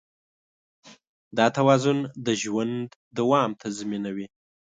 دا توازن د ژوند دوام تضمینوي.